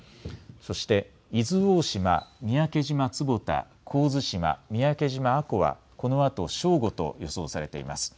そして伊豆大島、三宅島坪田、神津島、三宅島阿古はこのあと正午と予想されています。